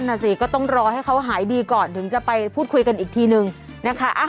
น่ะสิก็ต้องรอให้เขาหายดีก่อนถึงจะไปพูดคุยกันอีกทีนึงนะคะ